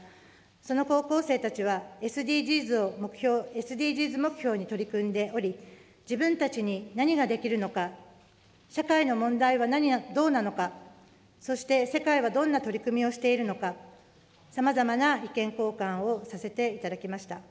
その高校生たちは、ＳＤＧｓ目標に取り組んでおり、自分たちに何ができるのか、社会の問題はどうなのか、そして、世界はどんな取り組みをしているのか、さまざまな意見交換をさせていただきました。